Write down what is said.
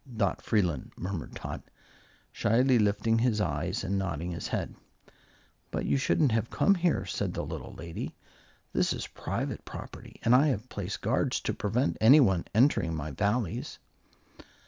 "Dot F'eelun," murmured Tot, shyly lifting his eyes and nodding his head. "But you shouldn't have come here," said the little lady. "This is private property, and I have placed guards to prevent anyone entering my Valleys."